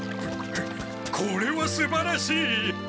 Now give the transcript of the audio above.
これはすばらしい！